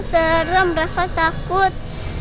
serem rafa takut